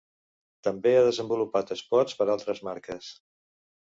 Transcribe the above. També ha desenvolupat espots per altres marques.